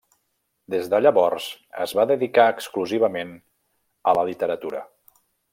Des de llavors es va dedicar exclusivament a la literatura.